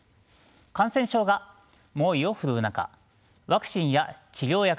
感染症が猛威を振るう中ワクチンや治療薬の配分